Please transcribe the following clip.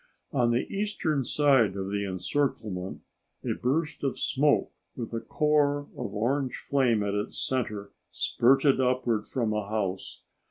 On the eastern side of the encirclement a burst of smoke with a core of orange flame at its center spurted upward from a house.